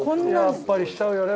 やっぱりしちゃうよね